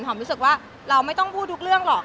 รู้สึกว่าเราไม่ต้องพูดทุกเรื่องหรอก